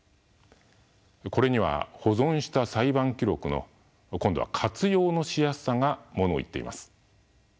これには保存した裁判記録の今度は活用のしやすさがものを言っています。